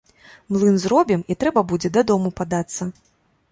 Млын зробім, і трэба будзе дадому падацца.